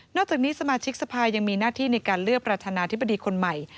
จากนี้สมาชิกสภายังมีหน้าที่ในการเลือกประธานาธิบดีคนใหม่